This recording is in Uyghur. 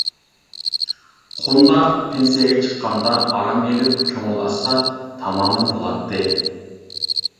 خوندا پېنسىيەگە چىققاندا ئارام ئىلىپ كۆڭۈل ئاچسا تامامەن بولاتتى.